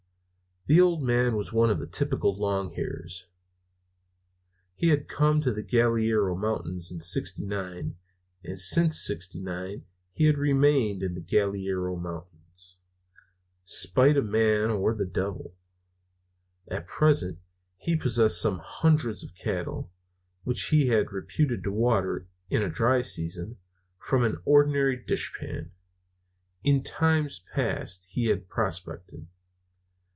The old man was one of the typical "long hairs." He had come to the Galiuro Mountains in '69, and since '69 he had remained in the Galiuro Mountains, spite of man or the devil. At present he possessed some hundreds of cattle, which he was reputed to water, in a dry season, from an ordinary dish pan. In times past he had prospected.